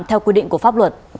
theo quy định của pháp luật